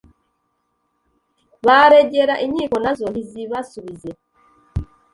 baregera inkiko nazo ntizibasubize